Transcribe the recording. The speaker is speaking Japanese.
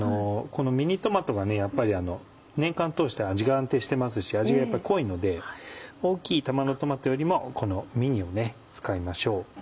このミニトマトが年間通して味が安定してますし味が濃いので大きい玉のトマトよりもこのミニを使いましょう。